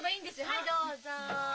はいどうぞ。